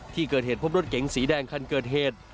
ที่เกิดเหตุพบรถเก๋งสีแดงคันเกิดเหตุ